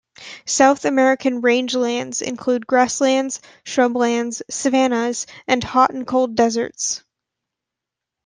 South American rangelands include; grasslands, shrublands, savannas, and hot and cold deserts.